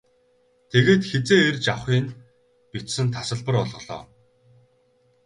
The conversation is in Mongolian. Тэгээд хэзээ ирж авахы нь бичсэн тасалбар олголоо.